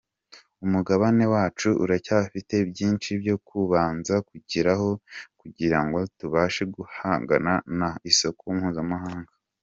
Umugabane wacu uracyafite byinshi byo kubanza kugeraho kugira ngo tubashe guhangana ku isoko mpuzamahanga.